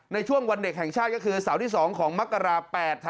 ในช่วงวันเด็กแห่งชาติก็คือเสาร์ที่๒ของมกรา๘๕